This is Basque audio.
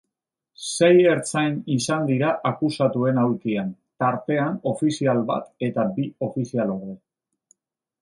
Sei ertzain izan dira akusatuen aulkian, tartean ofizial bat eta bi ofizialorde.